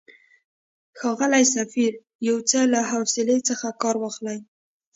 ښاغلی سفیر، یو څه له حوصلې څخه کار واخلئ.